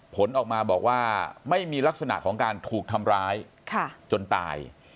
ผลออกมาบอกว่าไม่มีลักษณะของการถูกทำร้ายจนตาย